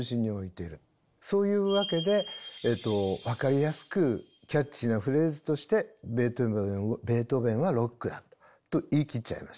そういうわけで分かりやすくキャッチーなフレーズとして「ベートーヴェンはロックだ！」と言い切っちゃいました。